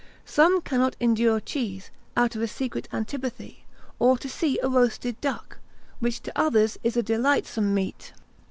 Some cannot endure cheese, out of a secret antipathy; or to see a roasted duck, which to others is a delightsome meat.